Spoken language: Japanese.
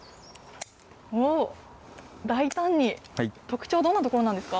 大胆に、特徴、どんなところなんですか？